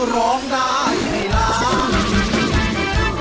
ร้องได้ให้ร้อง